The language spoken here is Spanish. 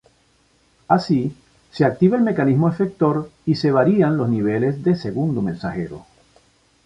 Así, se activa el mecanismo efector y se varían los niveles de segundo mensajero.